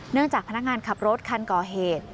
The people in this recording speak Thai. จากพนักงานขับรถคันก่อเหตุ